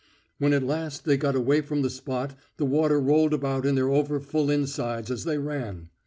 When at last they got away from the spot the water rolled about in their overfull insides as they ran.